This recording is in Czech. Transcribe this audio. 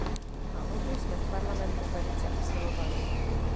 A o tu jsme v Parlamentu velice usilovali.